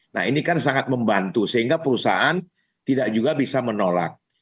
nah ini kan sangat membantu sehingga perusahaan tidak juga bisa menolak